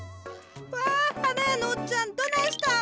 うわ花屋のおっちゃんどないしたん？